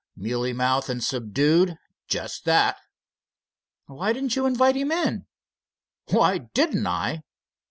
"Mealy mouthed and subdued, just that." "Why didn't you invite him in?" "Why didn't I?